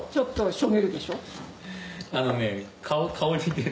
あのね。